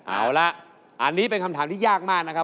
เอาละอันนี้เป็นคำถามที่ยากมากนะครับ